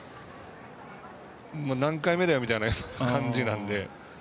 何回目だよみたいな感じなので。